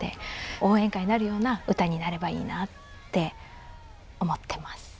応援歌になるような歌になればいいなって思ってます。